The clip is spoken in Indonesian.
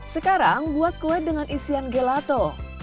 sekarang buat kue dengan isian gelato